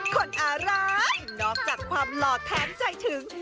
คนอาร้ายนอกจากความหล่อแทนใจถึง